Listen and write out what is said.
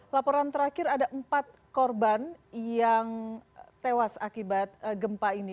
laporan terakhir ada empat korban yang tewas akibat gempa ini